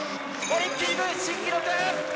オリンピック新記録！